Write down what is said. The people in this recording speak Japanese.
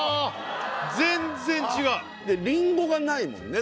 全然違うリンゴがないもんね